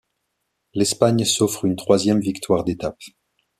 L'Espagne s'offre une troisième victoire d'étapes.